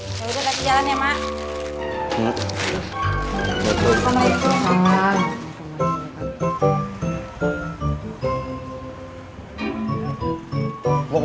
yaudah kasih jalan ya mak